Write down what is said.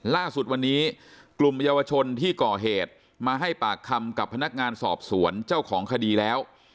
ล่าสุดวันนี้กลุ่มเยาวชนที่ก่อเหตุมาให้ปากคำกับพนักงานสอบสวนเจ้าของคดีแล้ว